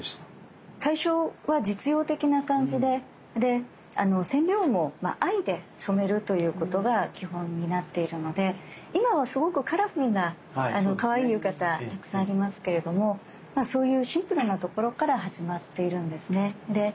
最初は実用的な感じで染料も藍で染めるということが基本になっているので今はすごくカラフルなかわいい浴衣たくさんありますけれどもそういうシンプルなところから始まっているんですね。